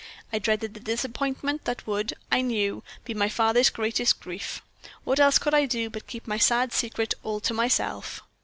I dreaded the disappointment that would, I knew, be my father's greatest grief. What else could I do but keep my sad secret all to myself?